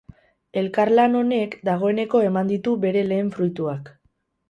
Elkarlan honek dagoeneko eman ditu bere lehen fruituak.